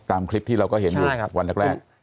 ตามคลิปที่เราก็เห็นอยู่วันแรก